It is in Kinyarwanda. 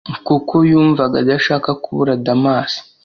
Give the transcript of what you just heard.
kuko yumvaga adashaka kubura damas,